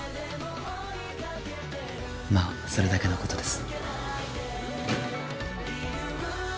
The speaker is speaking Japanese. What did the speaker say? まあそれだけの事です。